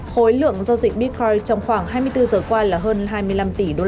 khối lượng giao dịch bitcoin trong khoảng hai mươi bốn giờ qua là hơn hai mươi năm tỷ usd